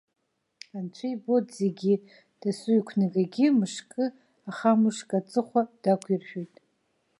Анцәа ибоит зегьы, дасу иқәнагагьы мышк-ахамышкаҵыхәа дақәиршәоит.